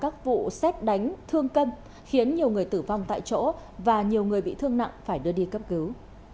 các vụ xét đánh thương tâm khiến nhiều người tử vong tại chỗ và nhiều người bị thương nặng phải đưa đi cấp cứu